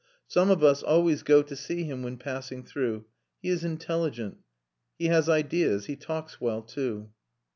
"Some of us always go to see him when passing through. He is intelligent. He has ideas.... He talks well, too."